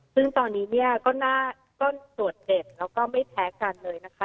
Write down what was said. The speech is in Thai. ซึ่งตอนนี้ก็ส่วนเด็ดแล้วก็ไม่แพ้กันเลยนะคะ